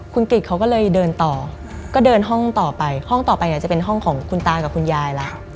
คุณกริจเขาก็เลยเดินต่อก็เดินห้องต่อไปห้องต่อไปเนี่ยจะเป็นห้องของคุณตากับคุณยายละ